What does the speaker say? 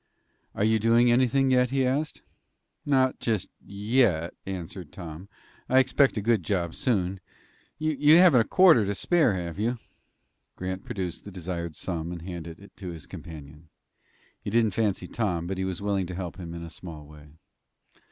"Are you doing anything?" he asked. "Not just yet," answered Tom, "I expect a good job soon. You haven't a quarter to spare, have you?" Grant produced the desired sum and handed it to his companion. He didn't fancy Tom, but he was willing to help him in a small way.